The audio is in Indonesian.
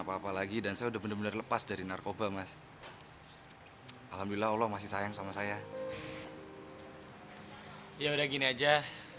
kalo ada masalah coba questionchodzi lah